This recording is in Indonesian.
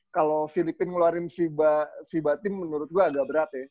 kalo filipina ngeluarin fiba tim menurut gue agak berat ya